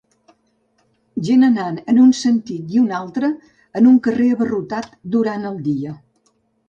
Gent anant en un sentit i un altre en un carrer abarrotat durant el dia.